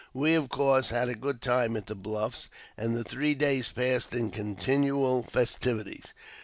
We of course had a good time at the Bluffs, and the three days passed in continual festivities.